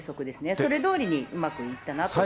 それどおりにうまくいったなと思います。